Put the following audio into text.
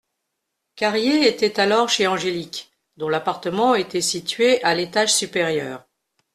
Carrier était alors chez Angélique, dont l'appartement était situé à l'étage supérieur.